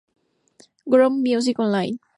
Grove Music Online.